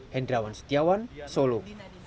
hendrawan setiawan solo